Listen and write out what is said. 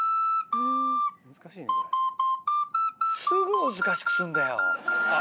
すぐ難しくすんだよ。